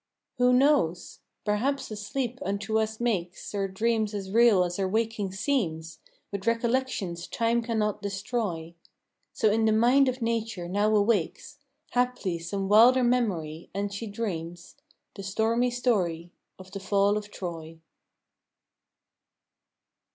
Who knows? perhaps as sleep unto us makes Our dreams as real as our waking seems With recollections time can not destroy, So in the mind of Nature now awakes Haply some wilder memory, and she dreams The stormy story of the fall of Troy.